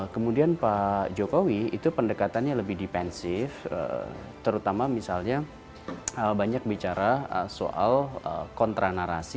kemudian pak jokowi itu pendekatannya lebih dipensif terutama misalnya banyak bicara soal kontranarasi